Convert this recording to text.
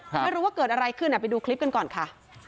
ไม่รู้ว่าเกิดอะไรขึ้นไปดูคลิปกันก่อนค่ะ